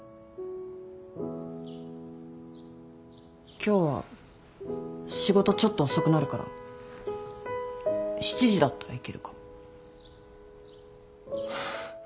今日は仕事ちょっと遅くなるから７時だったら行けるかも。